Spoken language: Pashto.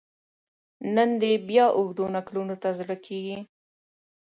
نن دي بیا اوږدو نکلونو ته زړه کیږي